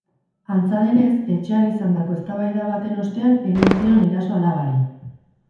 Antza denez, etxean izandako eztabaida baten ostean egin zion eraso alabari.